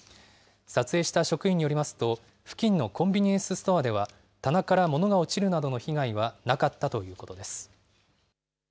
撮影した職員によりますと、付近のコンビニエンスストアでは、棚から物が落ちるなどの被害はなかったということです。